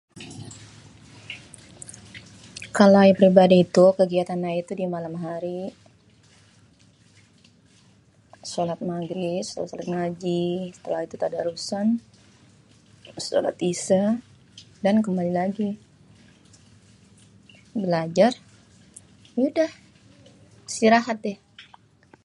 Kalau ayé pribadi itu kégiatan ayé tuh dimalam hari, sholat magrib sélésai sholat magrib ngaji, sétélah itu tadarusan, térus solat isyé ya kembali lagi. Bélajar yaudah istirahat déh